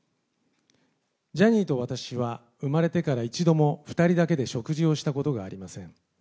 ジャニーと私は生まれてから一度も、２人だけで食事をしたことがありません。